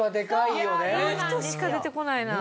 いい人しか出てこないな。